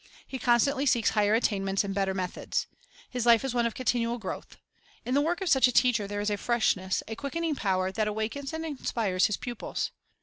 He constantly seeks higher attainments and better methods. His life is one of continual growth. In the work of such a teacher there is a freshness, a quickening power, that awakens and inspires his pupils.